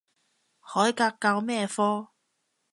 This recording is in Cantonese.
海格教咩科？